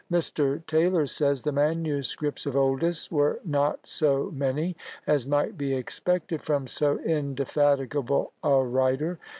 Mr. Taylor says "The manuscripts of Oldys were not so many as might be expected from so indefatigable a writer.